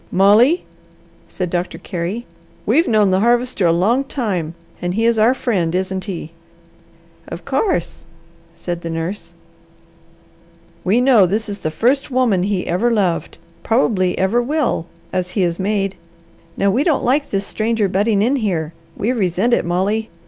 "Molly," said Doctor Carey, "we've known the Harvester a long time, and he is our friend, isn't he?" "Of course!" said the nurse. "We know this is the first woman he ever loved, probably ever will, as he is made. Now we don't like this stranger butting in here; we resent it, Molly.